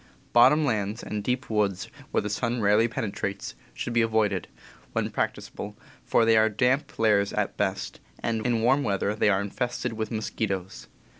Bottom lands, and deep woods where the sun rarely penetrates, should be avoided, when practicable, for they are damp lairs at best, and in warm weather they are infested with mosquitoes.